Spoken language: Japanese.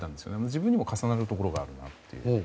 自分にも重なるところがあるなと。